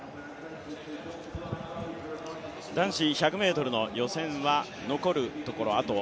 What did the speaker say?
男子１００ｍ予選は残すところ